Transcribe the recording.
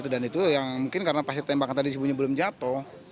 dan itu yang mungkin karena pasir tembakan tadi ibunya belum jatuh